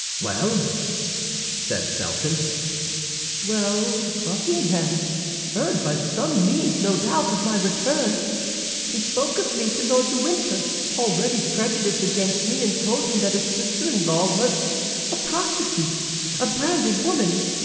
"Well?" said Felton. "Well; Buckingham heard by some means, no doubt, of my return. He spoke of me to Lord de Winter, already prejudiced against me, and told him that his sister in law was a prostitute, a branded woman.